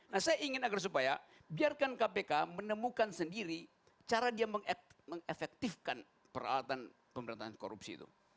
nah saya ingin agar supaya biarkan kpk menemukan sendiri cara dia mengefektifkan peralatan pemerintahan korupsi itu